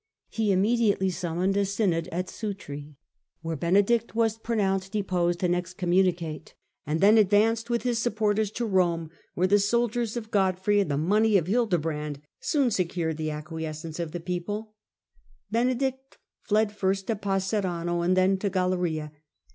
He immediately summoned a synod at Sutri, where Benedict was pronounced deposed Digitized by VjOOQIC 46 HtLDRBRAND and excommanicate ; and then advanced with hid supporters to Rome, where the soldiers of Godfrey, and NiooiMii. ^^® money of Hildebrand, soon secured the pope, 1069 acquiescence of the people. Benedict fled first to Passerano, and then to Galeria.